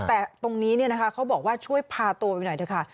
แต่ตรงนี้เนี่ยนะคะเขาบอกว่าช่วยพาตัวไปหน่อยด้วยค่ะ